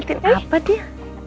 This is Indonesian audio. liatin apa dia